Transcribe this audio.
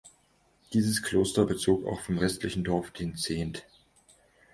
Dieses Kloster bezog auch vom restlichen Dorf den Zehent.